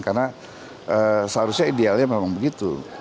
karena seharusnya idealnya memang begitu